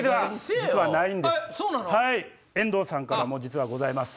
遠藤さんからも実はございます。